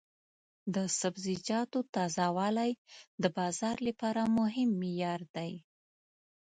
د سبزیجاتو تازه والی د بازار لپاره مهم معیار دی.